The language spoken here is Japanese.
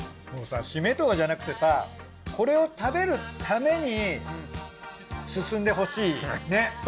もうさシメとかじゃなくてさこれを食べるためにすすんでほしいねっ！